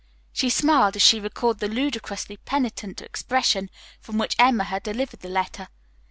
She smiled as she recalled the ludicrously penitent expression with which Emma had delivered the letter.